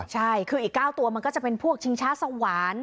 ใช่คืออีก๙ตัวมันก็จะเป็นพวกชิงช้าสวรรค์